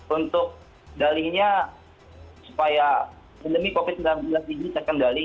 untuk dalihnya supaya pandemi covid sembilan belas ini terkendali